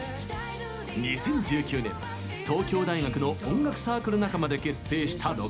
２０１９年東京大学の音楽サークル仲間で結成した６人。